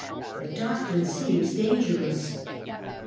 The doctrine seems dangerous.